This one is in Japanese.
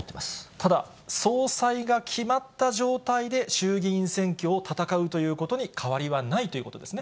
ただ、総裁が決まった状態で衆議院選挙を戦うということに変わりはないということですね。